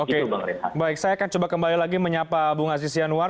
oke baik saya akan coba kembali lagi menyapa bung aziz yanuar